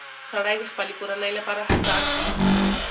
سړی د خپلې کورنۍ لپاره هڅاند وي